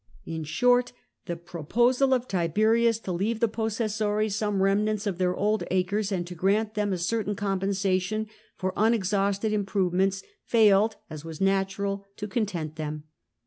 ^ In short, the proposal of Tiberius to leave the possessores some remnant of their old acres, and to grant them a certain compensation for unexhausted improvements, failed (as was natural) to content them.